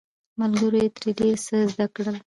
ملګرو یې ترې ډیر څه زده کړل.